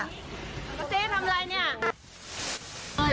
เจ๊ทำอะไรเนี่ย